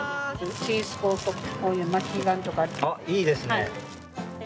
あ、いいですね。